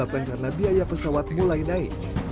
karena biaya pesawat mulai naik